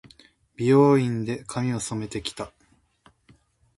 美容院で、髪を染めて来た。